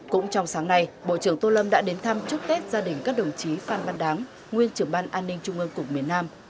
cũng trong sáng nay bộ trưởng tô lâm đã đến thăm chúc tết gia đình các đồng chí phan ban đáng nguyên trưởng ban an ninh trung ương cục miền nam